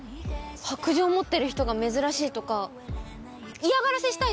白杖持ってる人が珍しいとか嫌がらせしたいとか？